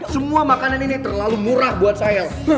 semua makanan ini terlalu murah buat saya